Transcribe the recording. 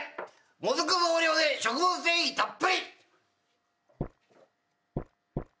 もずく増量で食物繊維たっぷり」